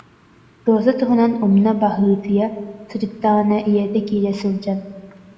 Роза туһунан умна быһыытыйа сырыттаҕына, ийэтэ киирэ сылдьан: